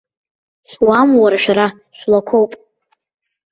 Шәуаам уара шәара, шәлақәоуп!